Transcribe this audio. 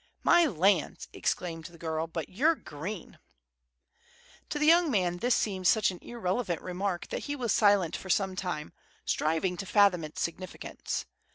"My lands," exclaimed the girl, "but ye're green!" To the young man this seemed such an irrelevant remark that he was silent for some time, striving to fathom its significance.